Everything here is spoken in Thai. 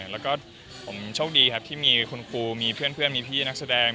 แล้วก็ผมโชคดีครับที่มีคุณครูมีเพื่อนมีพี่นักแสดง